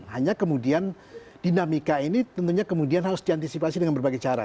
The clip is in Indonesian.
hanya kemudian dinamika ini tentunya kemudian harus diantisipasi dengan berbagai cara